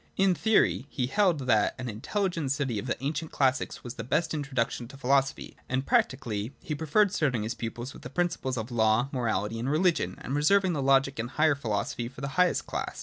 In theory, he held that an intelligent study of the ancient classics was the best introduction to philosophy ; and practically he preferred starting his pupils with the principles of law, morality and religion, and reserving the logic and higher philosophy for the highest class.